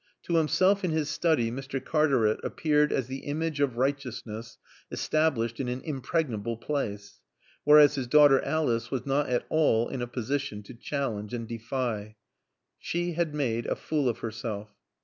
To himself in his study Mr. Cartaret appeared as the image of righteousness established in an impregnable place. Whereas his daughter Alice was not at all in a position to challenge and defy. She had made a fool of herself.